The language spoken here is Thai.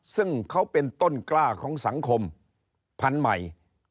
ซึ่งเขาเป็นต้นกล้าของสังคมพันธุ์ใหม่